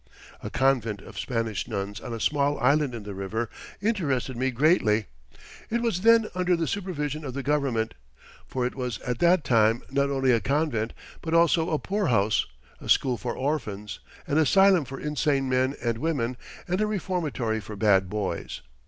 A convent of Spanish nuns on a small island in the river, interested me greatly. It was then under the supervision of the government, for it was at that time not only a convent but also a poorhouse, a school for orphans, an asylum for insane men and women, and a reformatory for bad boys.